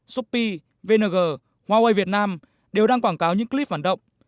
shopee vng huawei việt nam đều đang quảng cáo những clip phản động